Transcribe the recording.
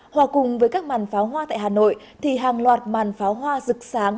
hòa cùng với các màn pháo hoa tại hà nội thì hàng loạt màn pháo hoa rực sáng